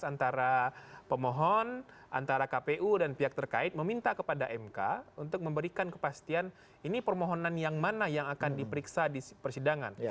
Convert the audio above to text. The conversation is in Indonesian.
karena pemohon antara kpu dan pihak terkait meminta kepada mk untuk memberikan kepastian ini permohonan yang mana yang akan diperiksa di persidangan